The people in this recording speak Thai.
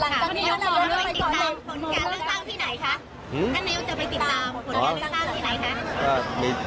สุดท้ายคุณนายยกจะไปติดตามผลการเริ่มสร้างที่ไหนคะ